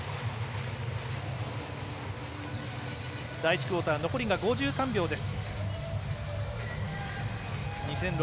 第１クオーター残りが５３秒です。